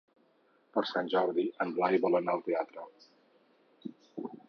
Per Sant Jordi en Blai vol anar al teatre.